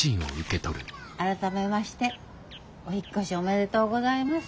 改めましてお引っ越しおめでとうございます。